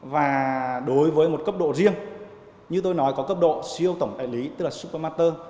và đối với một cấp độ riêng như tôi nói có cấp độ siêu tổng đại lý tức là supermarter